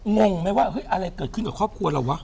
งงไหมว่าเฮ้ยอะไรเกิดขึ้นกับครอบครัวเราวะ